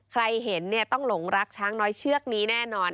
ใครเห็นต้องหลงรักช้างน้อยเชือกนี้แน่นอน